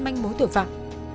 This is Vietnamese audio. manh mối tử phạm